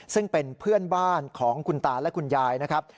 ซึ่งเป็นเพื่อนบ้านของคุณตาและคุณยายนะครับ